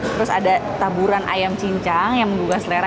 terus ada taburan ayam cincang yang menggugah selera